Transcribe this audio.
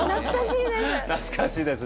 懐かしいです！